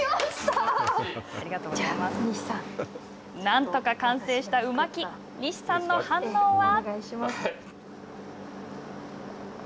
なんとか完成したう巻き西さんの反応は。